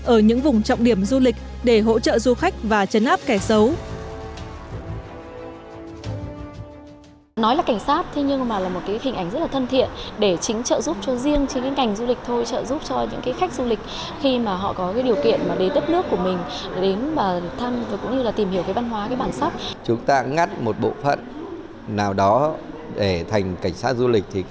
ở những vùng trọng điểm du lịch để hỗ trợ du khách và chấn áp kẻ xấu